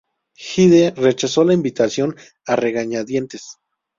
Hyde rechazó la invitación a regañadientes.